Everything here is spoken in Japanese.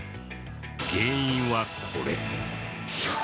原因はこれ。